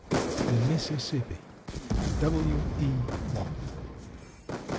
_ THE MISSISSIPPI. W. E. WATT.